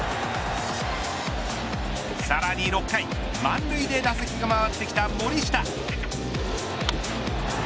さらに６回満塁で打席が回ってきた森下。